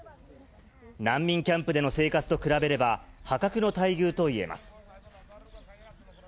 難民キャンプでの生活と比べれば、破格の待遇といえます。